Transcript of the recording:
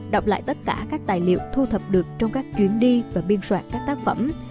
đọc lại tất cả các tài liệu thu thập được trong các chuyến đi và biên soạn các tác phẩm